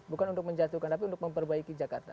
bukan untuk menjatuhkan tapi untuk memperbaiki jakarta